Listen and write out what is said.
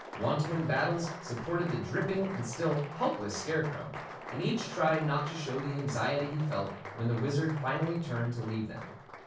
Wantowin Battles supported the dripping and still helpless Scarecrow, and each tried not to show the anxiety he felt when the Wizard finally turned to leave them.